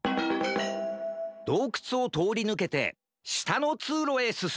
どうくつをとおりぬけてしたのつうろへすす